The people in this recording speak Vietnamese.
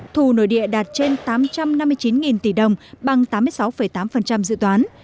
thù nội địa đạt trên tám trăm năm mươi chín tỷ đồng bằng tám mươi sáu tám dự toán